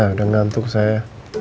udah ngantuk saya